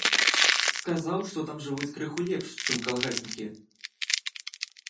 Сказаў, што там жывуць крыху лепш, чым калгаснікі.